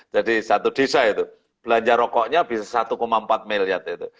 satu desa itu belanja rokoknya bisa satu empat miliar itu